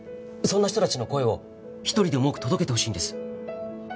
そんな人たちの声を一人でも多く届けてほしいんです。